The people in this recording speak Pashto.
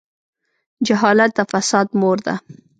جهالت د فساد مور ده.